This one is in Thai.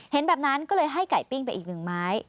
แบบนั้นก็เลยให้ไก่ปิ้งไปอีกหนึ่งไม้